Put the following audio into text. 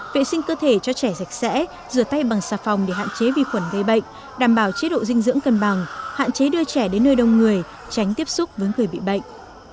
vệ sinh cơ thể cho trẻ rạch rẽ rửa tay bằng xà phòng để hạn chế vi khuẩn gây bệnh đảm bảo chế độ dinh dưỡng cân bằng hạn chế đưa trẻ đến nơi đông người tránh tiếp xúc với người bị bệnh